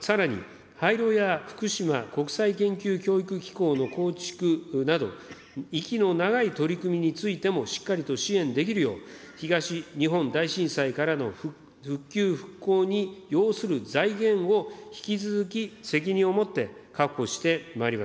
さらに、廃炉や福島国際研究教育機構の構築など、息の長い取り組みについても、しっかりと支援できるよう、東日本大震災からの復旧・復興に要する財源を引き続き責任を持って確保してまいります。